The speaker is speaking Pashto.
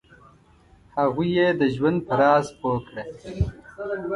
هغوی یې د ژوند په راز پوه کړه.